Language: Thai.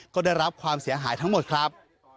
ก็ได้รับความเสียหายทั้งหมดครับ